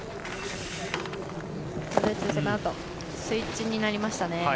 スイッチになりましたね。